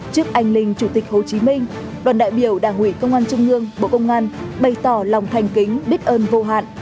trước anh linh chủ tịch hồ chí minh đoàn đại biểu đảng ủy công an trung ương bộ công an bày tỏ lòng thành kính biết ơn vô hạn